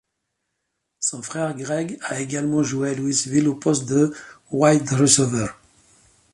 Son frère, Greg, a également joué à Louisville au poste de wide receiver.